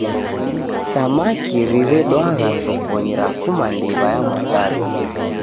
Samaki riredwagha sokonyi rafuma ndiw'a ya Mwatate.